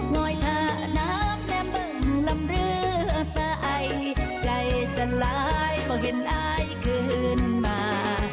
ง่อยถ้าน้ำแม่มึงลำเรือไปใจสลายเพราะเห็นไอ้คืนมา